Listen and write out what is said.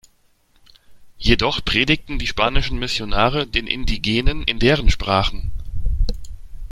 Jedoch predigten die spanischen Missionare den Indigenen in deren Sprachen.